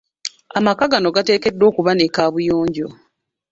Amaka gonna gateekeddwa okuba ne kaabuyonjo.